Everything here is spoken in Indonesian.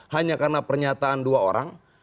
hanya karena pernyataan dua orang